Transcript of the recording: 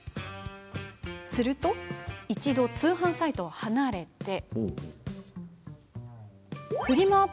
すると、一度通販サイトを離れてフリマ